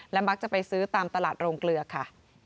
มักจะไปซื้อตามตลาดโรงเกลือค่ะ